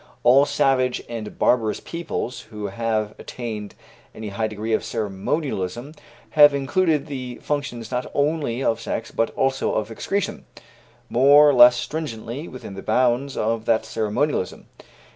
All savage and barbarous peoples who have attained any high degree of ceremonialism have included the functions not only of sex, but also of excretion, more or less stringently within the bounds of that ceremonialism.